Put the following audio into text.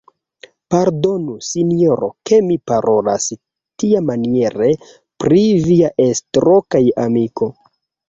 Pardonu, sinjoro, ke mi parolas tiamaniere pri via estro kaj amiko.